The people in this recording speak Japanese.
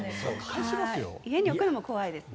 家に置くのも怖いですね。